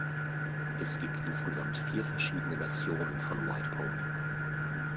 Es gibt insgesamt vier verschiedene Versionen von "White Pony".